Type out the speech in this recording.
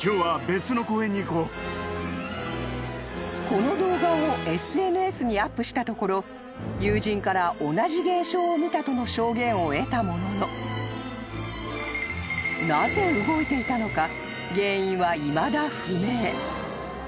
［この動画をＳＮＳにアップしたところ友人から同じ現象を見たとの証言を得たもののなぜ動いていたのか原因はいまだ不明］